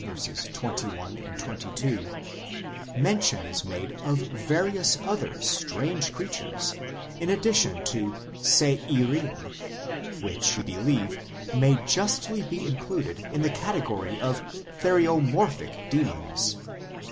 21, 22) mention is made of various other strange creatures, in addition to Se irim, which, we believe, may justly be included in the category of theriomorphic demons.